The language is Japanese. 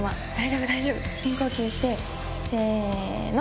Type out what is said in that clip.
深呼吸してせの！